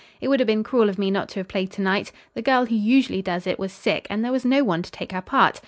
It would have been cruel of me not to have played to night. The girl who usually does it was sick and there was no one to take her part.